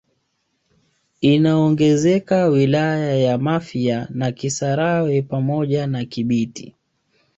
Inaongezeka wilaya ya Mafia na Kisarawe pamoja na Kibiti